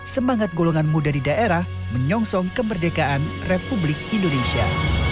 semangat golongan muda di daerah menyongsong kemerdekaan republik indonesia